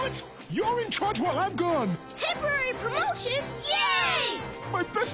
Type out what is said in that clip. よし！